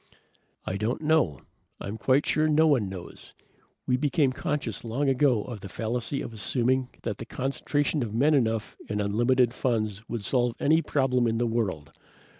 "I don't know. I'm quite sure no one knows. We became conscious long ago of the fallacy of assuming that the concentration of men enough and unlimited funds would solve any problem in the world.